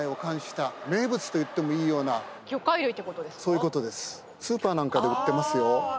そういうことです。